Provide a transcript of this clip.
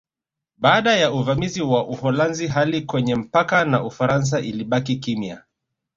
Baada ya uvamizi wa Uholanzi hali kwenye mpaka na Ufaransa ilibaki kimya